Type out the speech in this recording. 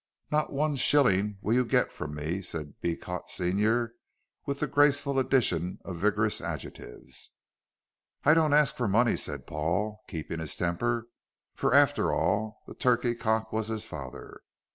"Not one shilling will you get from me," said Beecot senior, with the graceful addition of vigorous adjectives. "I don't ask for money," said Paul, keeping his temper, for after all the turkey cock was his father.